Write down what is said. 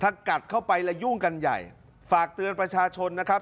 ถ้ากัดเข้าไปแล้วยุ่งกันใหญ่ฝากเตือนประชาชนนะครับ